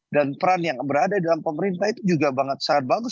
dan peran yang berada di dalam pemerintah itu juga sangat bagus